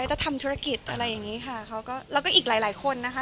จะทำธุรกิจอะไรอย่างนี้ค่ะเขาก็แล้วก็อีกหลายหลายคนนะคะ